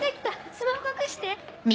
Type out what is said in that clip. スマホ隠して！